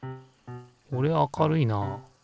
これ明るいなあ。